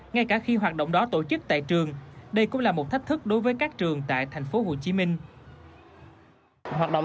ngay cả khi hoạt động đó tổ chức tại trường đây cũng là một thách thức đối với các trường tại tp hcm